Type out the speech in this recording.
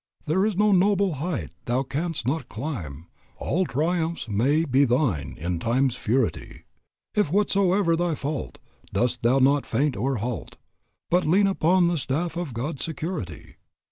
"There is no noble height thou canst not climb; All triumphs may be thine in Time's futurity, If, whatso'er thy fault, thou dost not faint or halt; But lean upon the staff of God's security.